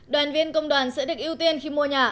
đoàn viên công đoàn sẽ được ưu tiên khi mua nhà